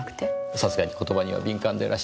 さすがに言葉には敏感でいらっしゃる。